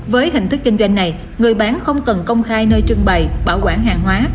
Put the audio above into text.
với hình thức kinh doanh này người bán không cần công khai nơi trưng bày bảo quản hàng hóa